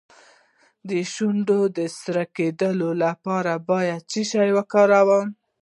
د شونډو د سره کیدو لپاره باید څه شی وکاروم؟